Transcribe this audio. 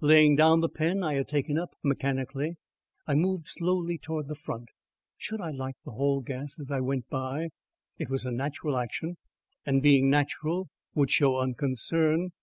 Laying down the pen I had taken, up mechanically, I moved slowly towards the front. Should I light the hall gas as I went by? It was a natural action, and, being natural, would show unconcern.